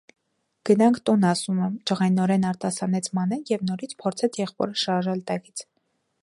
Գնանք տուն ասում եմ,- ջղայնորեն արտասանեց Մանեն և նորից փորձեց եղբորը շարժել տեղից: